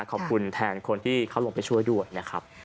ขอบคุณแทนคนที่เขาลงไปช่วยด้วยนะครับ